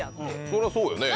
そりゃそうよね。